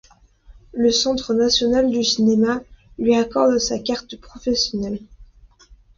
Le Centre national du cinéma lui accorde sa carte professionnelle.